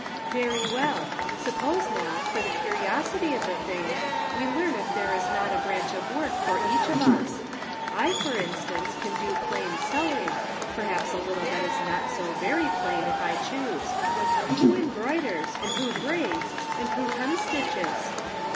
" Very well, suppose now, for the curiosity of the thing, we learn if there is not a branch of work for each of us. I, for instance, can do plain sewing — perhaps a little that is not so very plain, if I choose. Who embroiders, and who braids, and who hemstitches